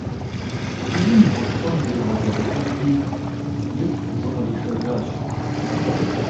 Фызыжьым и гъуэлъыпӀэм зригъэщэтэхыжри, ифӀ зыкъришэжащ.